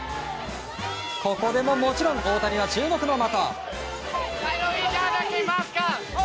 ここでも、もちろん大谷は注目の的。